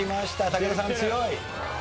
武田さん強い。